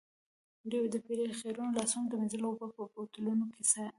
دوی د پیر د خیرنو لاسونو د مینځلو اوبه په بوتلونو کې ساتي.